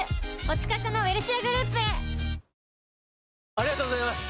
ありがとうございます！